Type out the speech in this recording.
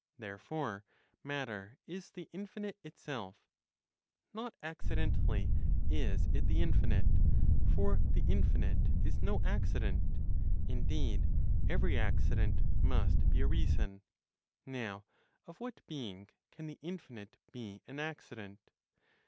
Therefore matter is the infinite itself. Not accidentally is it the infinite; for the infinite is no accident. Indeed, every accident must be a reason; now of what being can the infinite be an accident?